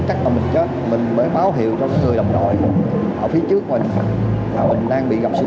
hay là những thanh niên